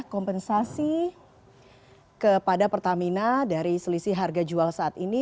kompensasi kepada pertamina dari selisih harga jual saat ini